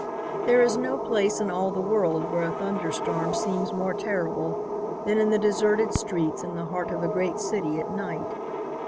There is no place in all the world where a thunderstorm seems more terrible than in the deserted streets in the heart of a great city at night.